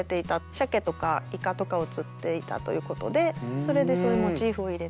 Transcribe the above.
シャケとかイカとかを釣っていたということでそれでそういうモチーフを入れて。